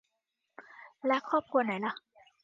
และครอบครัวไหนล่ะ